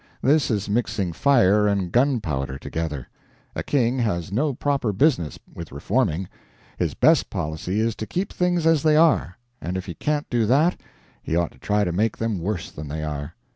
This is mixing fire and gunpowder together. A king has no proper business with reforming. His best policy is to keep things as they are; and if he can't do that, he ought to try to make them worse than they are.